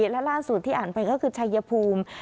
และล่าสุดที่อ่านไปก็คือชัยภูมิ